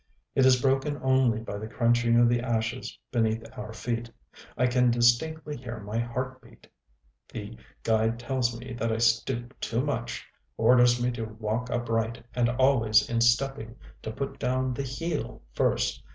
It is broken only by the crunching of the ashes beneath our feet. I can distinctly hear my heart beat.... The guide tells me that I stoop too much, orders me to walk upright, and always in stepping to put down the heel first.